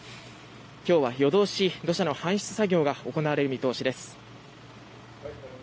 今日は夜通し、土砂の搬出作業が行われる見込みです。